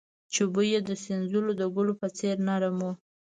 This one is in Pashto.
چې بوى يې د سنځلو د ګلو په څېر نرم و.